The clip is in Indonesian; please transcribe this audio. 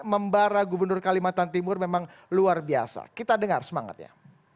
membara gubernur kalimantan timur memang luar biasa kita dengar semangatnya